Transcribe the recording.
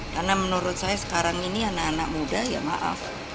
karena menurut saya sekarang ini anak anak muda ya maaf